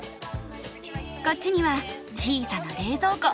こっちには小さな冷蔵庫。